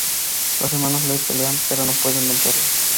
Los hermanos Lee pelean, pero no pueden vencerlo.